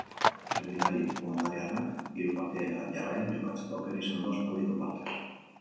Erdilari hungariarrak hiru partida jarraian jokatzeko aukera izan du aspaldiko partez.